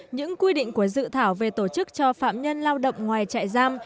những quy định của dự thảo về tổ chức cho phạm nhân lao động ngoài trại giam